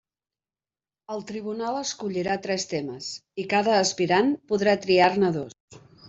El tribunal escollirà tres temes, i cada aspirant podrà triar-ne dos.